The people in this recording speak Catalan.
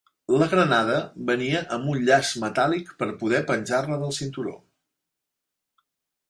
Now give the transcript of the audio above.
La granada venia amb un llaç metàl·lic per poder penjar-la del cinturó.